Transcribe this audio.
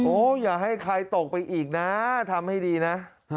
อย่าให้ใครตกไปอีกนะทำให้ดีนะ